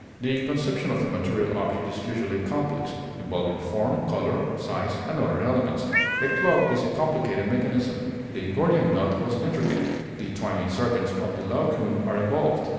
The conception of a material object is usually complex, involving form, color, size, and other elements; a clock is a complicated mechanism; the Gordian knot was intricate; the twining serpents of the Laocoon are involved.